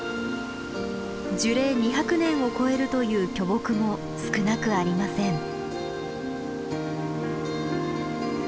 樹齢２００年を超えるという巨木も少なくありません。